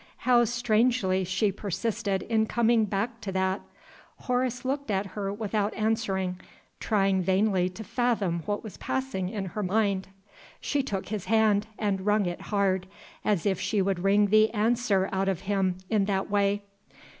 How strangely she persisted in coming back to that! Horace looked at her without answering, trying vainly to fathom what was passing in her mind. She took his hand, and wrung it hard as if she would wring the answer out of him in that way.